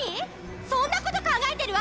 そんなこと考えてるわけ？